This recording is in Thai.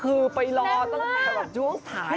คือไปรอตั้งแต่แบบช่วงท้าย